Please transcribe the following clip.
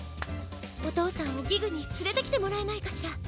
おとうさんをギグにつれてきてもらえないかしら？